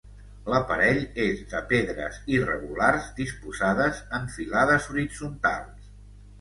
L'aparell és de pedres irregulars disposades en filades horitzontals.